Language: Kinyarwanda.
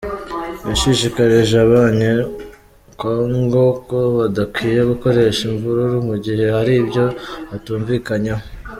Yashishikarije Abanye-Congo ko badakwiye gukoresha imvururu mu gihe hari ibyo batumvikanyeho.